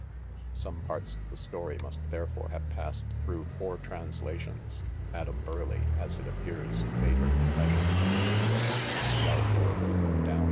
Some part of the story must therefore have passed through four translations. Madame'' Burleigh, as :it appears made her confessions, in English ; Dalcour wrote them down.